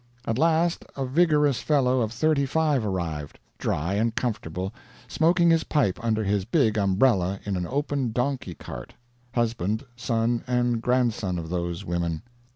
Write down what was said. "At last a vigorous fellow of thirty five arrived, dry and comfortable, smoking his pipe under his big umbrella in an open donkey cart husband, son, and grandson of those women!